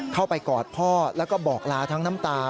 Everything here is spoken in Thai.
กอดพ่อแล้วก็บอกลาทั้งน้ำตา